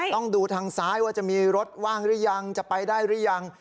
ต้องดูทางซ้ายว่าจะมีรถว่างหรือยังจะไปได้หรือยัง